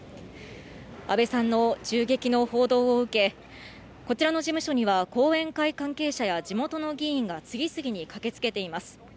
安倍さんの銃撃の報道を受け、こちらの事務所には、後援会関係者や地元の議員が次々に駆けつけています。